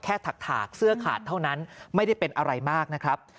ถากเสื้อขาดเท่านั้นไม่ได้เป็นอะไรมากนะครับ